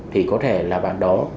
thì có thể là bạn đó